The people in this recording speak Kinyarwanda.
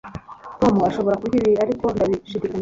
tom ashobora kurya ibi, ariko ndabishidikanya